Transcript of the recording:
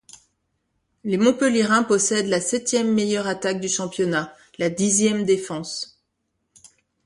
Les Montpelliérains possèdent la septième meilleure attaque du championnat, la dixième défense.